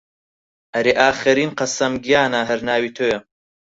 ئەرێ ئاخەرین قەسەم گیانە هەر ناوی تۆیە